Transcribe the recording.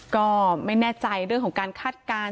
ก็ไม่แน่ใจเรื่องของการคาดการณ์